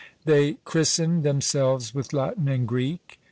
They christened themselves with Latin and Greek.